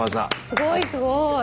すごいすごい！